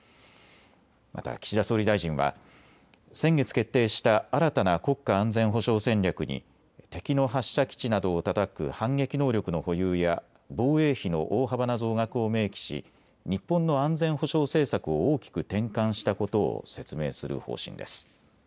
また岸田総理大臣は先月決定した新たな国家安全保障戦略に敵の発射基地などをたたく反撃能力の保有や防衛費の大幅な増額を明記し日本の安全保障政策を大きく転換したことを説明する方針です。